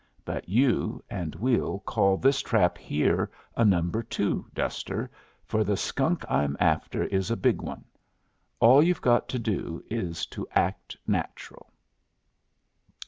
But you and we'll call this here trap a number two, Duster, for the skunk I'm after is a big one. All you've to do is to act natural."